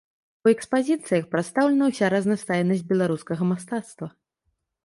У экспазіцыях прадстаўлена ўся разнастайнасць беларускага мастацтва.